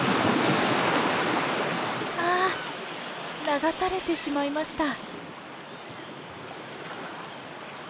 あ流されてしまいました。